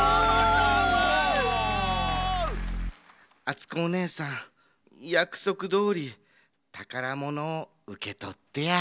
あつこおねえさんやくそくどおりたからものをうけとってや。